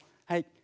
はい。